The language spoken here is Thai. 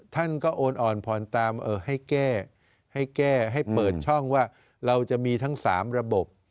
ท่านก็โอนอ่อนผ่อนตามให้แก้ให้แก้ให้เปิดช่องว่าเราจะมีทั้ง๓ระบบ